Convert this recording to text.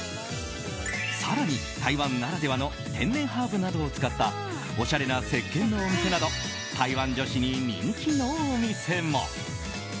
更に、台湾ならではの天然ハーブなどを使ったおしゃれな石けんのお店など台湾女子に人気のお店も。